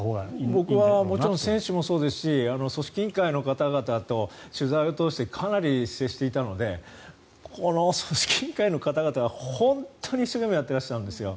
僕はもちろん選手もそうですし組織委員会の方々と取材を通してかなり接していたのでこの組織委員会の方々は本当に一生懸命にやってらっしゃるんですよ。